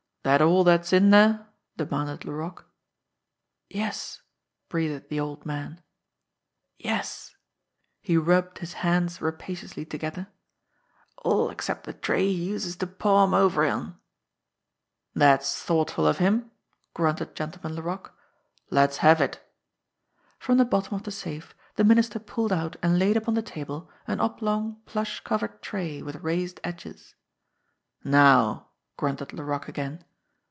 "That all that's in there?" demanded Laroque. "Yes," breathed the old man. "Yes" he rubbed his hands rapaciously together "all except the tray he uses to paw 'em over on." "That's thoughtful of him !" grunted Gentleman Laroque. "Let's have it." From the bottom of the safe the Minister pulled out and laid upon the table an oblong, plush covered tray with raised edges. "Now!" grunted Laroque again.